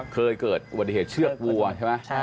เคยเกิดบริเวณเชือกวัวใช่มะ